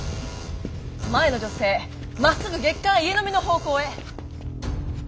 前の女性まっすぐ「月刊家呑み」の方向へ。